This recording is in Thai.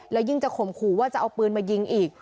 แล้วยิ่งจะข่มขู่ว่าจะเอาปืนมายิงอีก